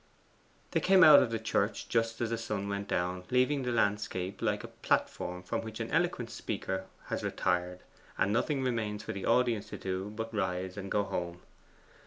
They came out of church just as the sun went down, leaving the landscape like a platform from which an eloquent speaker has retired, and nothing remains for the audience to do but to rise and go home.